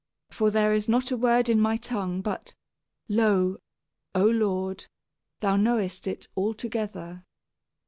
For there is not a word in my tongue, but, lo, O Lord, thou knowest it altogether.